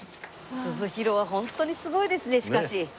鈴廣はホントにすごいですねしかし。